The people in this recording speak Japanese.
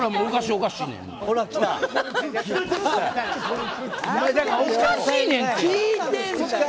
おかしいねんって。